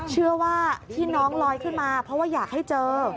เชื่อว่าที่น้องลอยขึ้นมาเพราะว่าอยากให้เจอ